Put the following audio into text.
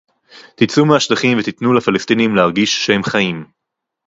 תצאו מהשטחים ותיתנו לפלסטינים להרגיש שהם חיים